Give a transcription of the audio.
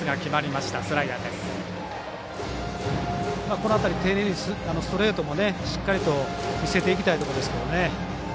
この辺り丁寧にストレートも見せていきたいところですけどね。